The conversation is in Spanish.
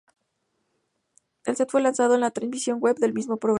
El set fue lanzado en la transmisión web, del mismo programa.